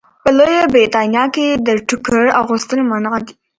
په لویه برېتانیا کې د ټوکر اغوستل منع دي.